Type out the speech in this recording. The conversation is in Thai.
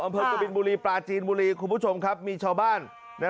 ปราจีนบุรีคุณผู้ชมครับมีชาวบ้าน